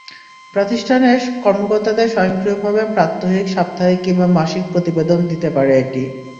প্রতিষ্ঠানের কর্মকর্তাদের স্বয়ংক্রিয়ভাবে প্রাত্যহিক, সাপ্তাহিক কিংবা মাসিক প্রতিবেদন দিতে পারে এটি।